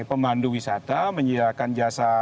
pemandu wisata menyiapkan jasa